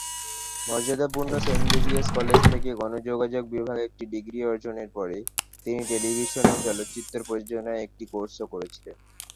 মর্যাদাপূর্ণ Saint Xavier college থেকে গণযোগাযোগ বিভাগে একটি ডিগ্রি অর্জনের পরে, তিনি টেলিভিশন ও চলচ্চিত্র প্রযোজনায় একটি কোর্সও করেছিলেন।